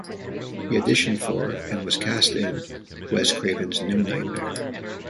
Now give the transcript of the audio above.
He auditioned for, and was cast in "Wes Craven's New Nightmare".